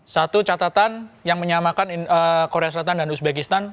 satu catatan yang menyamakan korea selatan dan uzbekistan